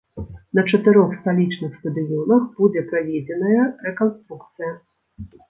На чатырох сталічных стадыёнах будзе праведзеная рэканструкцыя.